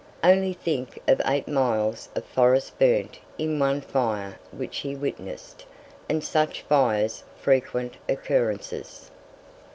Only think of eight miles of forest burnt in one fire which he witnessed, and such fires frequent occurrences!